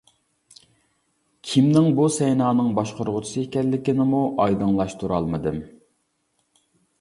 كىمنىڭ بۇ سەينانىڭ باشقۇرغۇچىسى ئىكەنلىكىنىمۇ ئايدىڭلاشتۇرالمىدىم.